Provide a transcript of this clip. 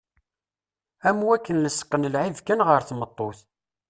Am wakken lesqen lɛib kan ɣer tmeṭṭut.